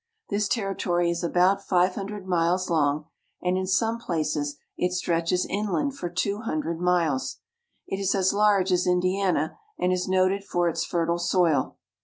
This territory is about five hundred miles long, and in some places it stretches inland for two hundred miles. It is as large as Indiana and is noted for its fertile soil.